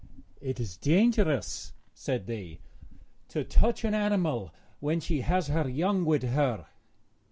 'It is dangerous,' said they, 'to touch an animal when she has her young with her.'